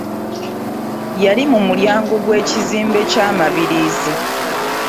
Yali mu mulyango gw’ekizimbe kya mabirizi.